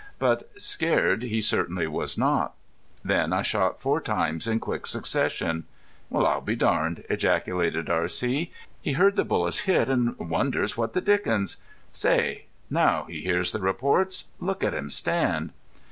But scared he certainly was not. Then I shot four times in quick succession. "Well, I'll be darned!" ejaculated R.C. "He heard the bullets hit and wonders what the dickens.... Say, now he hears the reports! Look at him stand!"